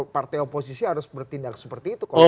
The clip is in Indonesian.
partai oposisi harus bertindak seperti itu